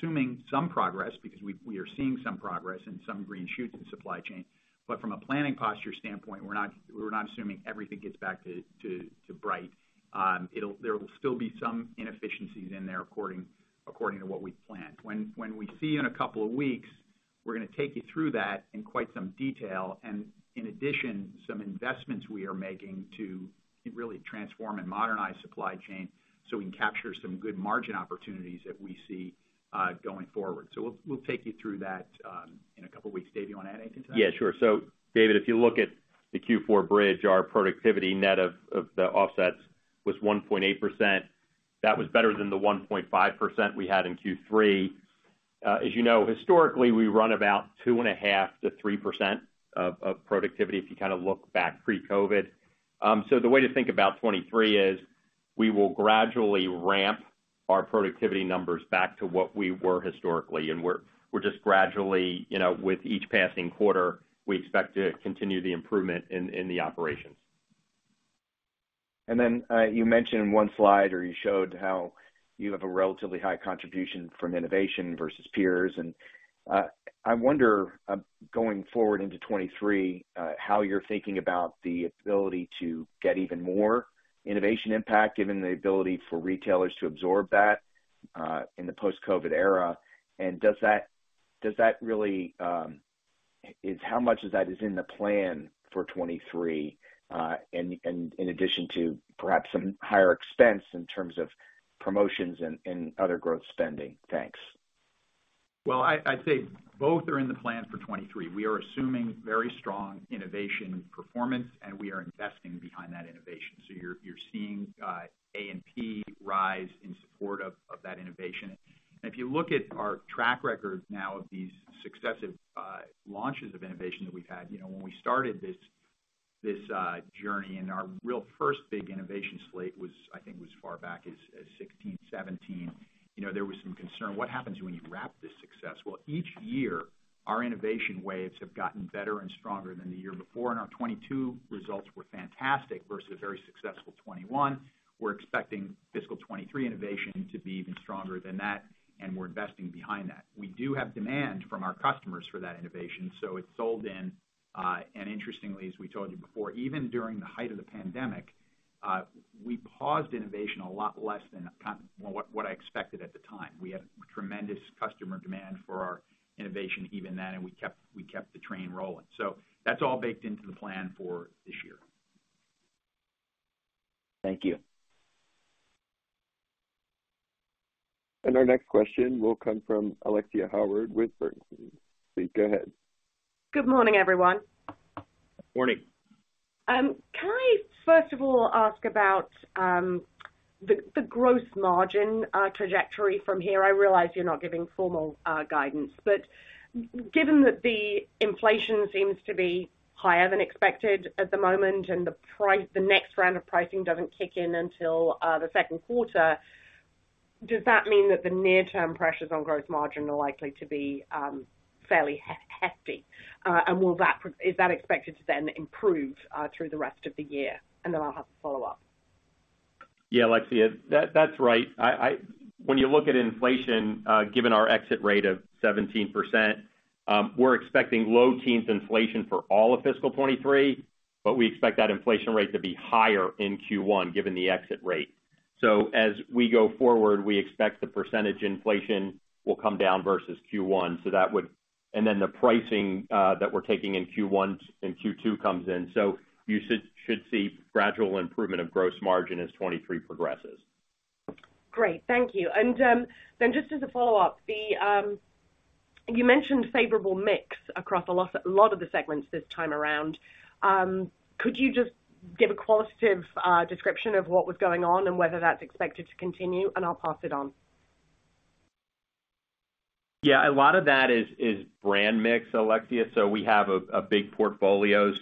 assuming some progress because we are seeing some progress and some green shoots in supply chain. From a planning posture standpoint, we're not assuming everything gets back to bright. There will still be some inefficiencies in there according to what we've planned. When we see in a couple of weeks, we're gonna take you through that in quite some detail, and in addition, some investments we are making to really transform and modernize supply chain so we can capture some good margin opportunities that we see going forward. We'll take you through that in a couple of weeks. Dave, you wanna add anything to that? Yeah, sure. David, if you look at the Q4 bridge, our productivity net of the offsets was 1.8%. That was better than the 1.5% we had in Q3. As you know, historically, we run about 2.5%-3% of productivity if you kinda look back pre-COVID. The way to think about 2023 is we will gradually ramp our productivity numbers back to what we were historically, and we're just gradually, you know, with each passing quarter, we expect to continue the improvement in the operations. You mentioned in one slide or you showed how you have a relatively high contribution from innovation versus peers. I wonder, going forward into 2023, how you're thinking about the ability to get even more innovation impact given the ability for retailers to absorb that, in the post-COVID era. How much of that is in the plan for 2023, and in addition to perhaps some higher expense in terms of promotions and other growth spending? Thanks. Well, I'd say both are in the plan for 2023. We are assuming very strong innovation performance, and we are investing behind that innovation. You're seeing A&P rise in support of that innovation. If you look at our track record now of these successive launches of innovation that we've had, you know, when we started this journey and our real first big innovation slate was, I think, as far back as 2016, 2017, you know, there was some concern, what happens when you wrap up this success? Well, each year, our innovation waves have gotten better and stronger than the year before, and our 2022 results were fantastic versus a very successful 2021. We're expecting fiscal 2023 innovation to be even stronger than that, and we're investing behind that. We do have demand from our customers for that innovation, so it's sold in. Interestingly, as we told you before, even during the height of the pandemic, we paused innovation a lot less than what I expected at the time. We had tremendous customer demand for our innovation even then, and we kept the train rolling. That's all baked into the plan for this year. Thank you. Our next question will come from Alexia Howard with Bernstein. Please go ahead. Good morning, everyone. Morning. Can I first of all ask about the gross margin trajectory from here? I realize you're not giving formal guidance, but given that the inflation seems to be higher than expected at the moment and the next round of pricing doesn't kick in until the second quarter, does that mean that the near-term pressures on gross margin are likely to be fairly hefty? And is that expected to then improve through the rest of the year? Then I'll have a follow-up. Yeah, Alexia, that's right. When you look at inflation, given our exit rate of 17%, we're expecting low teens inflation for all of fiscal 2023, but we expect that inflation rate to be higher in Q1 given the exit rate. As we go forward, we expect the percentage inflation will come down versus Q1, so that would, and then the pricing that we're taking in Q1 and Q2 comes in. You should see gradual improvement of gross margin as 2023 progresses. Great. Thank you. Then just as a follow-up, you mentioned favorable mix across a lot of the segments this time around. Could you just give a qualitative description of what was going on and whether that's expected to continue, and I'll pass it on. Yeah. A lot of that is brand mix, Alexia. We have a big portfolio.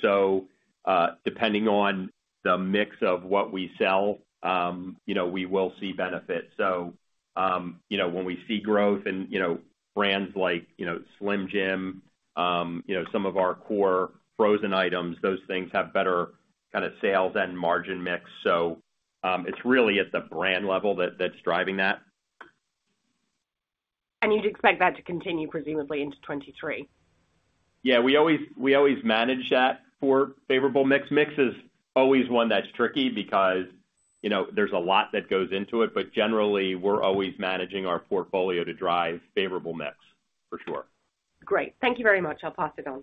Depending on the mix of what we sell, you know, we will see benefits. You know, when we see growth in you know brands like you know Slim Jim you know some of our core frozen items, those things have better kinda sales and margin mix. It's really at the brand level that's driving that. You'd expect that to continue presumably into 2023? Yeah. We always manage that for favorable mix. Mix is always one that's tricky because, you know, there's a lot that goes into it. Generally, we're always managing our portfolio to drive favorable mix, for sure. Great. Thank you very much. I'll pass it on.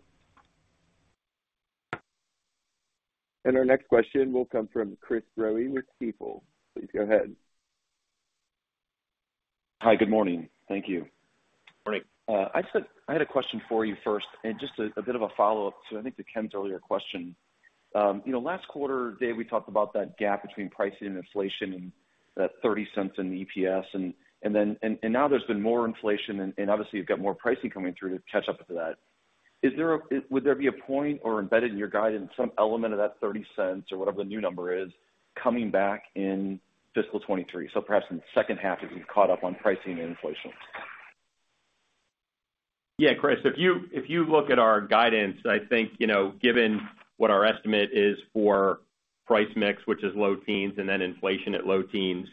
Our next question will come from Chris Growe with Stifel. Please go ahead. Hi, good morning. Thank you. Morning. I said I had a question for you first and just a bit of a follow-up to, I think, to Ken's earlier question. You know, last quarter, Dave, we talked about that gap between pricing and inflation and that $0.30 in the EPS and then now there's been more inflation and obviously you've got more pricing coming through to catch up with that. Would there be a point or embedded in your guidance some element of that $0.30 or whatever the new number is coming back in fiscal 2023, so perhaps in the second half as we've caught up on pricing and inflation? Yeah, Chris. If you look at our guidance, I think, you know, given what our estimate is for price mix, which is low teens and then inflation at low teens,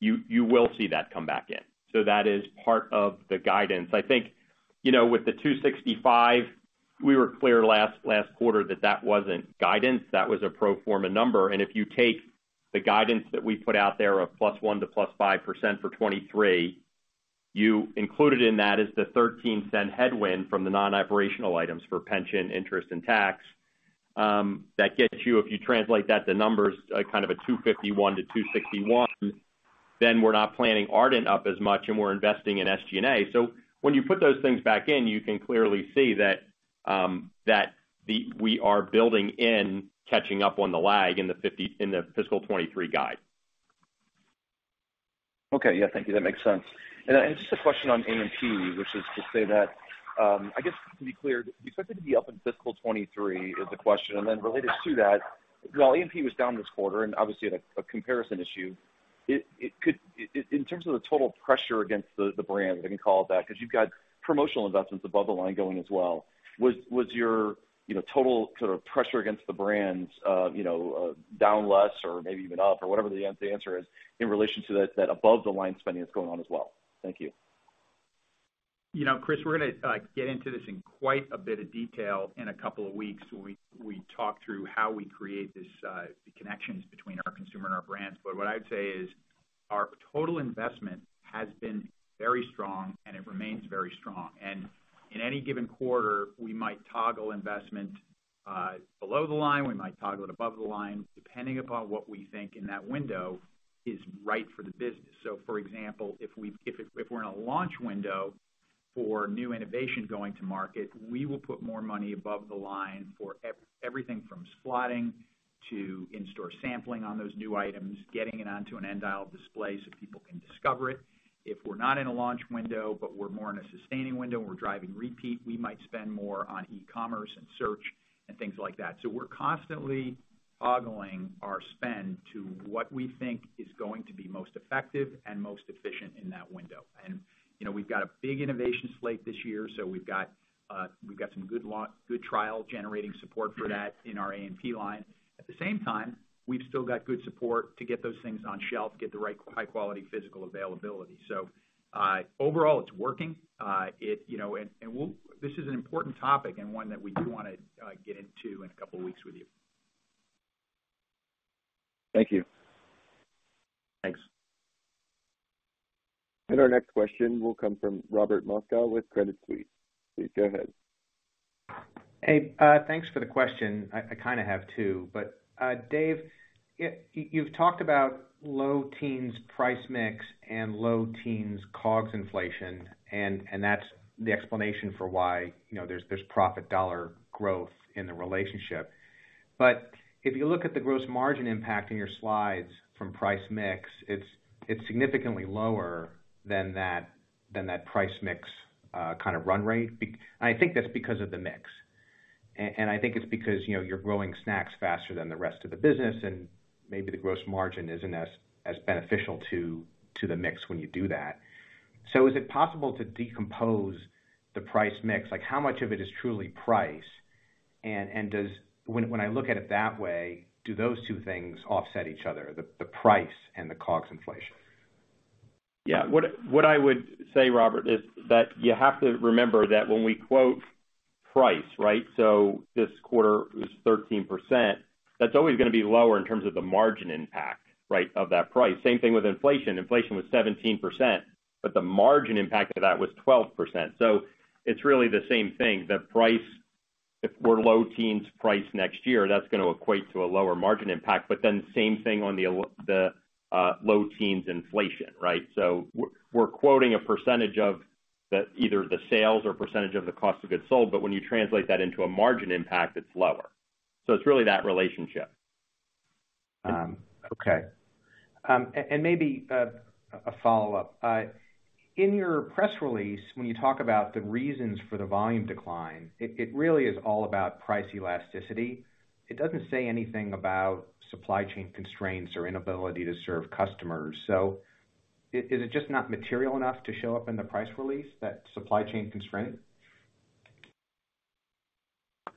you will see that come back in. That is part of the guidance. I think, you know, with the $2.65. We were clear last quarter that that wasn't guidance, that was a pro forma number. If you take the guidance that we put out there of +1% to +5% for 2023, you included in that is the 13-cent headwind from the non-operational items for pension interest and tax. That gets you, if you translate that to numbers, kind of a $2.51-$2.61, then we're not planning Ardent up as much and we're investing in SG&A. When you put those things back in, you can clearly see that we are building in catching up on the lag in the fiscal 2023 guide. Okay. Yeah. Thank you. That makes sense. Just a question on A&P, which is to say that, I guess to be clear, you expect it to be up in fiscal 2023 is the question. Related to that, while A&P was down this quarter and obviously at a comparison issue, it could in terms of the total pressure against the brand, if I can call it that, because you've got promotional investments above the line going as well. Was your, you know, total sort of pressure against the brands, you know, down less or maybe even up or whatever the answer is in relation to that above the line spending that's going on as well? Thank you. You know, Chris, we're gonna get into this in quite a bit of detail in a couple of weeks when we talk through how we create this, the connections between our consumer and our brands. What I'd say is our total investment has been very strong, and it remains very strong. In any given quarter, we might toggle investment below the line, we might toggle it above the line, depending upon what we think in that window is right for the business. For example, if we're in a launch window for new innovation going to market, we will put more money above the line for everything from slotting to in-store sampling on those new items, getting it onto an end aisle display so people can discover it. If we're not in a launch window, but we're more in a sustaining window and we're driving repeat, we might spend more on e-commerce and search and things like that. We're constantly toggling our spend to what we think is going to be most effective and most efficient in that window. You know, we've got a big innovation slate this year, so we've got some good trial generating support for that in our A&P line. At the same time, we've still got good support to get those things on shelf, get the right high quality physical availability. Overall, it's working. You know, this is an important topic and one that we do wanna get into in a couple of weeks with you. Thank you. Thanks. Our next question will come from Robert Moskow with Credit Suisse. Please go ahead. Hey, thanks for the question. I kinda have two, but Dave, you've talked about low teens price mix and low teens COGS inflation, and that's the explanation for why, you know, there's profit dollar growth in the relationship. If you look at the gross margin impact in your slides from price mix, it's significantly lower than that price mix kind of run rate, and I think that's because of the mix. I think it's because, you know, you're growing snacks faster than the rest of the business, and maybe the gross margin isn't as beneficial to the mix when you do that. Is it possible to decompose the price mix? Like, how much of it is truly price? And does- When I look at it that way, do those two things offset each other, the price and the COGS inflation? Yeah. What I would say, Robert, is that you have to remember that when we quote price, right? This quarter is 13%, that's always gonna be lower in terms of the margin impact, right, of that price. Same thing with inflation. Inflation was 17%, but the margin impact of that was 12%. It's really the same thing. The price, if we're low teens price next year, that's gonna equate to a lower margin impact. Then same thing on the low teens inflation, right? We're quoting a percentage of the, either the sales or percentage of the cost of goods sold, but when you translate that into a margin impact, it's lower. It's really that relationship. Okay. Maybe a follow-up. In your press release, when you talk about the reasons for the volume decline, it really is all about price elasticity. It doesn't say anything about supply chain constraints or inability to serve customers. Is it just not material enough to show up in the press release, that supply chain constraint?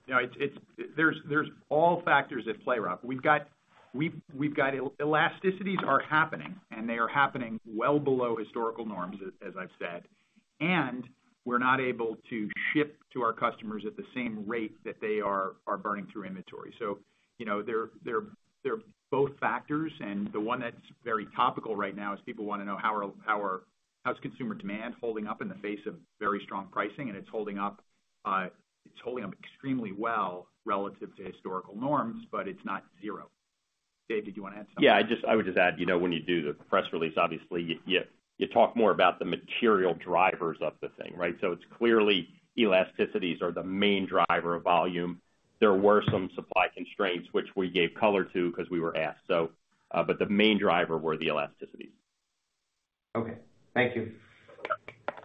You know, it's—there's all factors at play, Rob. We've got elasticities are happening, and they are happening well below historical norms, as I've said. We're not able to ship to our customers at the same rate that they are burning through inventory. You know, they're both factors. The one that's very topical right now is people wanna know how's consumer demand holding up in the face of very strong pricing. It's holding up extremely well relative to historical norms, but it's not zero. Dave, did you wanna add something? Yeah, I would just add, you know, when you do the press release, obviously you talk more about the material drivers of the thing, right? It's clearly elasticities are the main driver of volume. There were some supply constraints which we gave color to because we were asked, so, but the main driver were the elasticities. Okay. Thank you. Okay.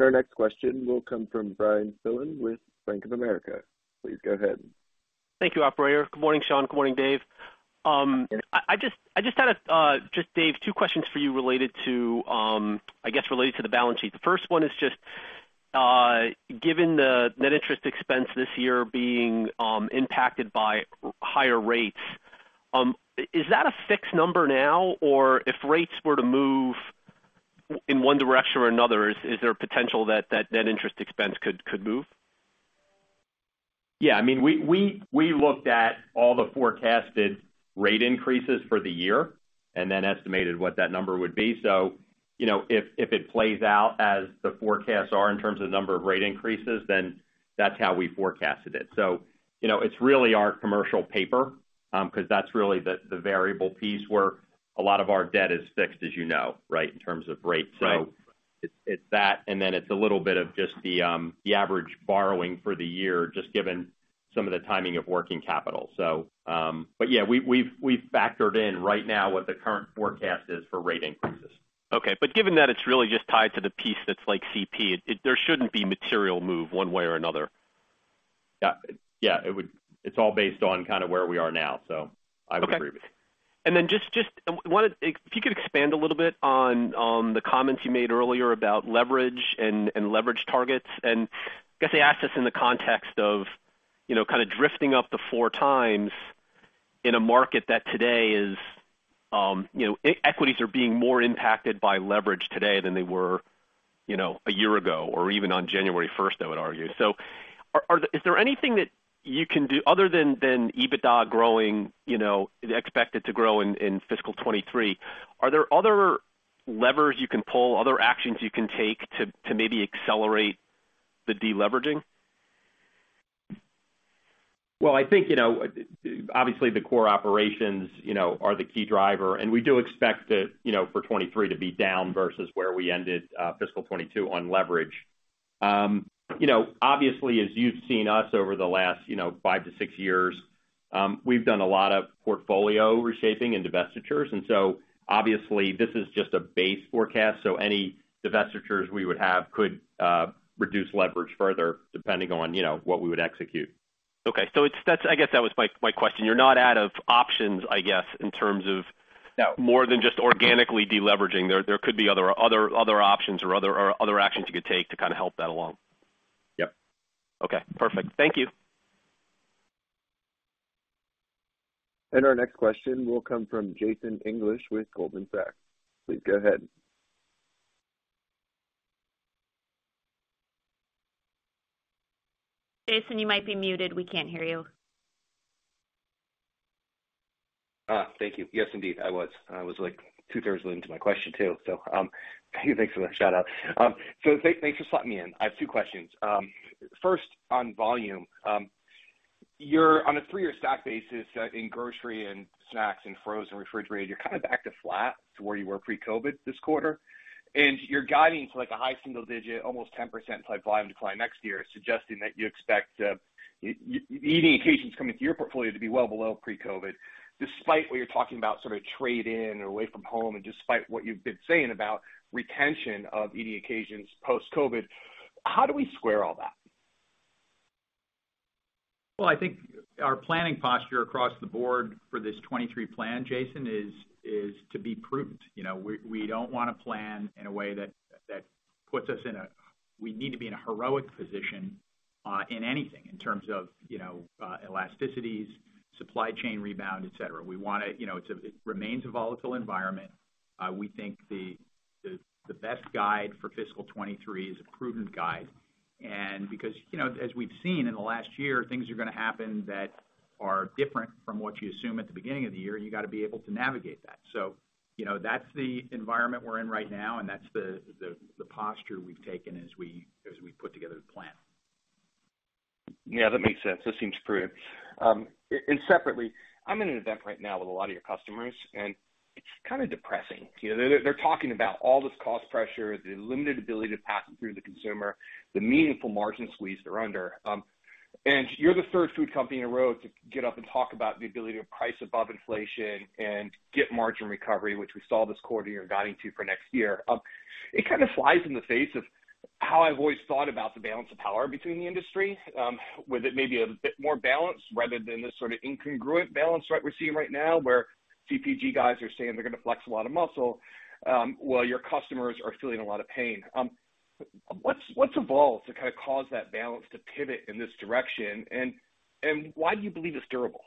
Our next question will come from Bryan Spillane with Bank of America. Please go ahead. Thank you, operator. Good morning, Sean. Good morning, Dave. I just had two questions for you related to, I guess, related to the balance sheet. The first one is just given the net interest expense this year being impacted by higher rates. Is that a fixed number now? If rates were to move in one direction or another, is there a potential that net interest expense could move? Yeah. I mean, we looked at all the forecasted rate increases for the year and then estimated what that number would be. You know, if it plays out as the forecasts are in terms of number of rate increases, then that's how we forecasted it. You know, it's really our commercial paper, 'cause that's really the variable piece where a lot of our debt is fixed, as you know, right? In terms of rates. Right. It's that, and then it's a little bit of just the average borrowing for the year, just given some of the timing of working capital. But yeah, we've factored in right now what the current forecast is for rate increases. Given that it's really just tied to the piece that's like CP, there shouldn't be material move one way or another. Yeah. It's all based on kinda where we are now, so I would agree with you. Okay. If you could expand a little bit on the comments you made earlier about leverage and leverage targets. I guess I ask this in the context of, you know, kinda drifting up to 4 times in a market that today is, you know, equities are being more impacted by leverage today than they were, you know, a year ago or even on January first, I would argue. Is there anything that you can do other than EBITDA growing, you know, expected to grow in fiscal 2023? Are there other levers you can pull, other actions you can take to maybe accelerate the de-leveraging? Well, I think, you know, obviously, the core operations, you know, are the key driver, and we do expect it, you know, for 2023 to be down versus where we ended fiscal 2022 on leverage. You know, obviously, as you've seen us over the last, you know, five to six years, we've done a lot of portfolio reshaping and divestitures. Obviously, this is just a base forecast, so any divestitures we would have could reduce leverage further depending on, you know, what we would execute. Oka.y. I guess that was my question. You're not out of options, I guess, in terms of- No. More than just organically de-leveraging. There could be other options or other actions you could take to kinda help that along. Yep. Okay. Perfect. Thank you. Our next question will come from Jason English with Goldman Sachs. Please go ahead. Jason, you might be muted. We can't hear you. Thank you. Yes, indeed, I was like two-thirds into my question, too. Thanks for the shout-out. Thanks for slotting me in. I have two questions. First on volume. You're on a three-year stack basis in grocery and snacks and frozen refrigerated. You're kind of back to flat to where you were pre-COVID this quarter. You're guiding to like a high single-digit almost 10% type volume decline next year, suggesting that you expect eating occasions coming to your portfolio to be well below pre-COVID, despite what you're talking about, sort of trade-in or away from home and despite what you've been saying about retention of eating occasions post-COVID. How do we square all that? Well, I think our planning posture across the board for this 2023 plan, Jason, is to be prudent. You know, we don't wanna plan in a way that we need to be in a heroic position in anything in terms of, you know, elasticities, supply chain rebound, et cetera. We wanna, you know, it remains a volatile environment. We think the best guide for fiscal 2023 is a prudent guide. Because, you know, as we've seen in the last year, things are gonna happen that are different from what you assume at the beginning of the year, and you gotta be able to navigate that. You know, that's the environment we're in right now, and that's the posture we've taken as we put together the plan. Yeah, that makes sense. That seems prudent. And separately, I'm in an event right now with a lot of your customers, and it's kinda depressing. You know, they're talking about all this cost pressure, the limited ability to pass it through to the consumer, the meaningful margin squeeze they're under. And you're the third food company in a row to get up and talk about the ability to price above inflation and get margin recovery, which we saw this quarter you're guiding to for next year. It kinda flies in the face of how I've always thought about the balance of power between the industry, with it maybe a bit more balanced rather than this sorta incongruent balance, right, we're seeing right now, where CPG guys are saying they're gonna flex a lot of muscle, while your customers are feeling a lot of pain. What's evolved to kinda cause that balance to pivot in this direction? Why do you believe it's durable?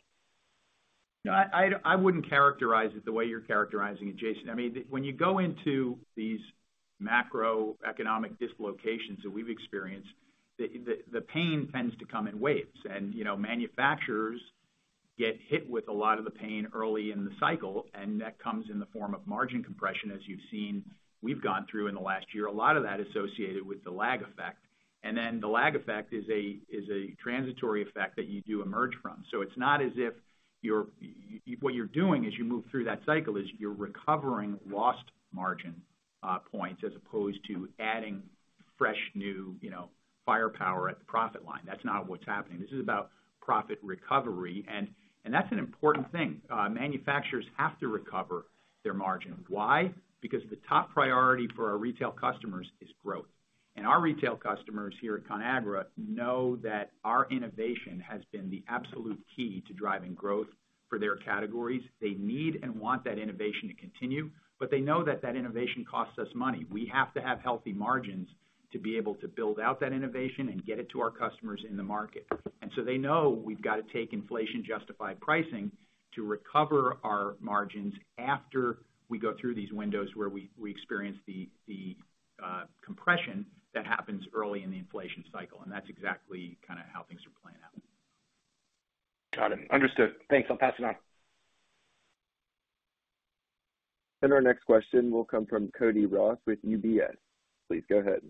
No, I wouldn't characterize it the way you're characterizing it, Jason. I mean, when you go into these macroeconomic dislocations that we've experienced, the pain tends to come in waves. You know, manufacturers get hit with a lot of the pain early in the cycle, and that comes in the form of margin compression, as you've seen we've gone through in the last year, a lot of that associated with the lag effect. The lag effect is a transitory effect that you do emerge from. It's not as if what you're doing as you move through that cycle is you're recovering lost margin points as opposed to adding fresh new, you know, firepower at the profit line. That's not what's happening. This is about profit recovery, and that's an important thing. Manufacturers have to recover their margin. Why? Because the top priority for our retail customers is growth. Our retail customers here at Conagra know that our innovation has been the absolute key to driving growth for their categories. They need and want that innovation to continue, but they know that that innovation costs us money. We have to have healthy margins to be able to build out that innovation and get it to our customers in the market. They know we've gotta take inflation-justified pricing to recover our margins after we go through these windows where we experience the compression that happens early in the inflation cycle. That's exactly kinda how things are playing out. Got it. Understood. Thanks, I'll pass it on. Our next question will come from Cody Ross with UBS. Please go ahead.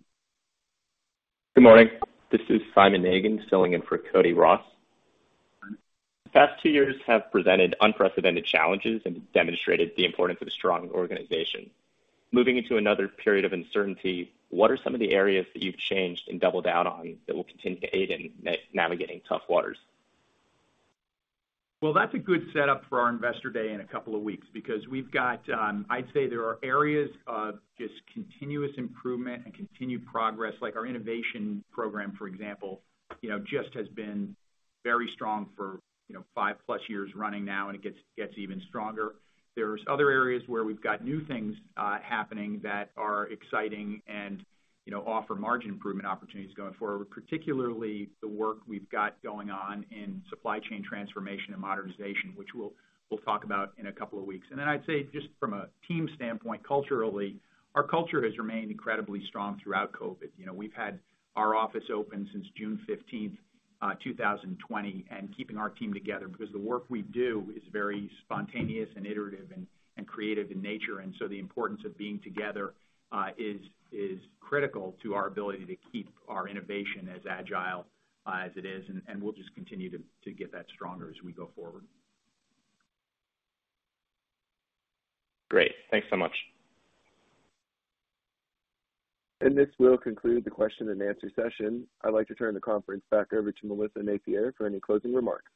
Good morning. This is Simon Hannigan filling in for Cody Ross. Past two years have presented unprecedented challenges and demonstrated the importance of a strong organization. Moving into another period of uncertainty, what are some of the areas that you've changed and doubled down on that will continue to aid in navigating tough waters? Well, that's a good setup for our Investor Day in a couple of weeks, because we've got, I'd say there are areas of just continuous improvement and continued progress, like our innovation program, for example, you know, just has been very strong for, you know, five-plus years running now, and it gets even stronger. There are other areas where we've got new things happening that are exciting and, you know, offer margin improvement opportunities going forward, particularly the work we've got going on in supply chain transformation and modernization, which we'll talk about in a couple of weeks. Then I'd say, just from a team standpoint, culturally, our culture has remained incredibly strong throughout COVID. You know, we've had our office open since June 15th, 2020, and keeping our team together because the work we do is very spontaneous and iterative and creative in nature. The importance of being together is critical to our ability to keep our innovation as agile as it is, and we'll just continue to get that stronger as we go forward. Great. Thanks so much. This will conclude the question and answer session. I'd like to turn the conference back over to Melissa Napier for any closing remarks.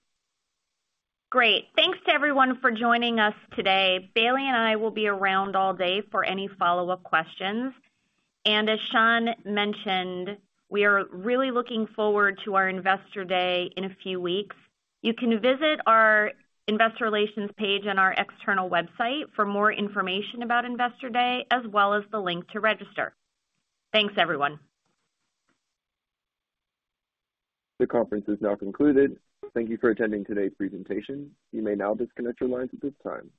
Great. Thanks to everyone for joining us today. Bailey and I will be around all day for any follow-up questions. As Sean mentioned, we are really looking forward to our Investor Day in a few weeks. You can visit our Investor Relations page on our external website for more information about Investor Day, as well as the link to register. Thanks, everyone. The conference is now concluded. Thank you for attending today's presentation. You may now disconnect your lines at this time.